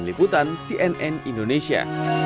meliputan cnn indonesia